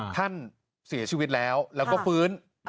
ท่านเสียชีวิตแล้วแล้วก็ฟื้น